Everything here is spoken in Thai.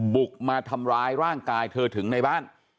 บุกมาทำร้ายร่างกายเธอถึงในบ้าน